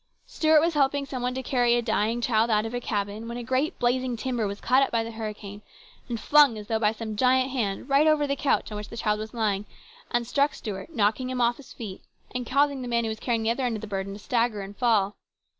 238 HIS BROTHER'S KEEPER. Stuart was helping some one to carry a dying child out of a cabin, when a great blazing timber was caught up by the hurricane, and flung, as though by some giant hand, right over the couch on which the child was lying, and struck Stuart, knocking him off his feet, and causing the man who was carrying the other end of the burden to stagger and fall.